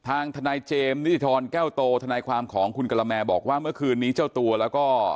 ทางทนายเจมส์นิทรแก้วโตทนายความของคุณกะละแมบอกว่าเมื่อคืนนี้เจ้าตัวแล้วก็